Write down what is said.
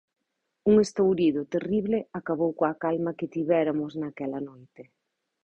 Un estourido terrible acabou coa calma que tivéramos naquela noite.